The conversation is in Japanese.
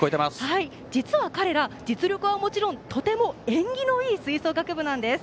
実は彼ら、実力はもちろんとても縁起のいい吹奏楽部なんです。